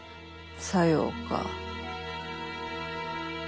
さようか。